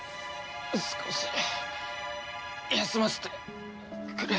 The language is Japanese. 少し休ませてくれ。